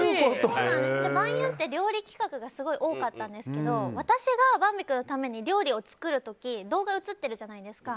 ヴァンゆんって料理企画がすごい多かったんですけど私がヴァンビ君のために料理を作る時動画映ってるじゃないですか。